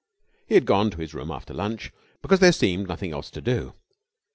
He had gone to his room after lunch, because there seemed nothing else to do.